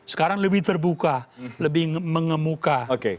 sekarang lebih terbuka lebih mengemuka